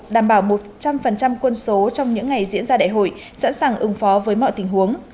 đảm bảo một trăm linh quân số trong những ngày diễn ra đại hội sẵn sàng ứng phó với mọi tình huống